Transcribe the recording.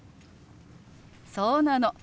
そうなの。